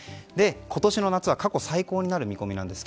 今年の夏は過去最高になる見込みなんです。